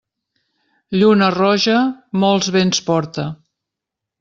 Lluna roja, molts vents porta.